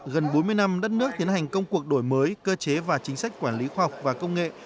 gần bốn mươi năm đất nước tiến hành công cuộc đổi mới cơ chế và chính sách quản lý khoa học và công nghệ